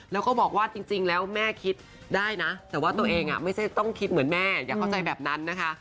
แล้วก็บอกว่าจริงแล้วแม่คิดได้นะแต่ว่าตัวเองไม่ใช่ต้องคิดเหมือนแม่อย่าเข้าใจแบบนั้นนะคะ